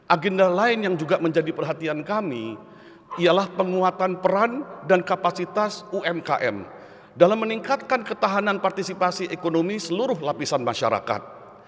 agenda lain yang juga menjadi perhatian kami ialah penguatan peran dan kapasitas umkm dalam meningkatkan ketahanan partisipasi ekonomi seluruh lapisan masyarakat